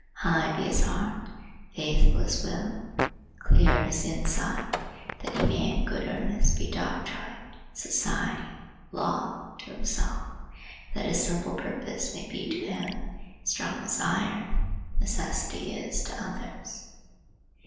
High be his heart, faithful his will, clear his sight, that he may in good earnest be doctrine, society, law, to himself, that a simple purpose may be to him as strong as iron necessity is to others!